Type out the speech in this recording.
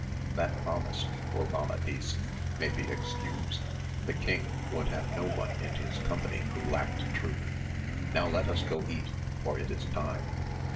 That promise, quoth Amadis, may be excused, the king would have no one in his company who lacked truth ; now let us go eat, for it is time.